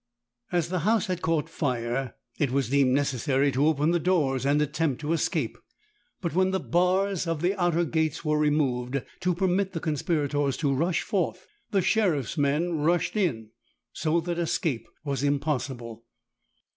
As the house had caught fire it was deemed necessary to open the doors and attempt to escape; but when the bars of the outer gates were removed to permit the conspirators to rush forth, the sheriff's men rushed in, so that escape was impossible.